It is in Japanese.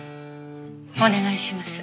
お願いします。